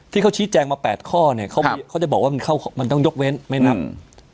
ที่เขาชี้แจงมา๘ข้อเนี่ยเขาจะบอกว่ามันเข้ามันต้องยกเว้นไม่นับ